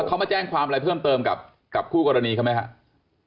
เขามาแจ้งความอะไรเพิ่มเติมกับคู่กรณีเขาไหมครับ